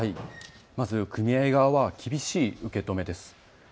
まず組合側は厳しい受け止めです。